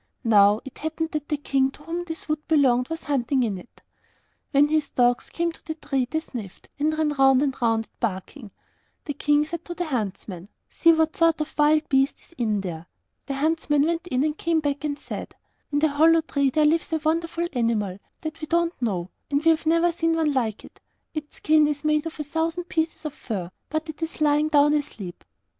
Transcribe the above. Now, it happened that the king to whom this wood belonged was hunting in it. When his dogs came to the tree, they sniffed, and ran round and round it, barking. The King said to the huntsmen, 'See what sort of a wild beast is in there.' The huntsmen went in, and then came back and said, 'In the hollow tree there lies a wonderful animal that we don't know, and we have never seen one like it; its skin is made of a thousand pieces of fur; but it is lying down asleep.